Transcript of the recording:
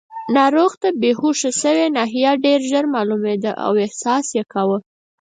ناروغ ته بېهوښه شوې ناحیه ډېر ژر معلومېده او احساس یې کاوه.